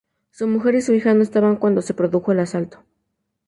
Su mujer y su hija no estaban cuando se produjo el asalto.